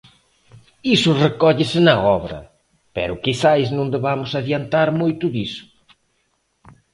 Iso recóllese na obra, pero quizais non debamos adiantar moito diso.